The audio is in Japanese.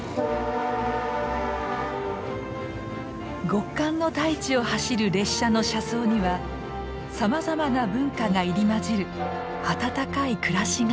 極寒の大地を走る列車の車窓にはさまざまな文化が入り混じる温かい暮らしがあった。